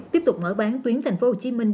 tiếp tục mở bán tuyến thành phố hồ chí minh